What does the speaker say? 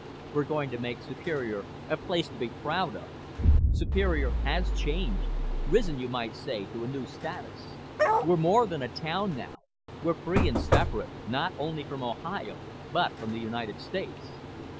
We're going to make Superior a place to be proud of. Superior has changed risen, you might say, to a new status. We're more than a town, now. We're free and separate, not only from Ohio, but from the United States.